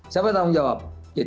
siapa tanggung jawab